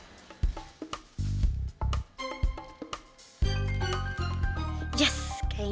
tak boleh kabur